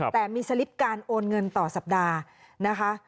แต่มีสลิปการโอนเงินต่อสัปดาห์นะคะ